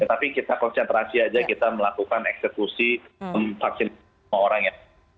tapi kita konsentrasi aja kita melakukan eksekusi vaksin sama orang ya